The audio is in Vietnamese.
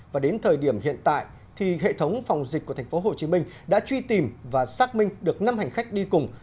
và đến thời điểm hiện tại thì hệ thống phòng dịch của tp hcm đã truy tìm và xác minh được năm hành khách đi cùng